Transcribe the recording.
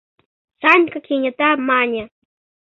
— Санька кенета мане.